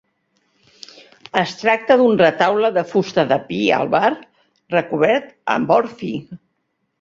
Es tracta d'un retaule de fusta de pi albar, recobert amb or fi.